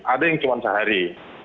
ada yang cuma sehari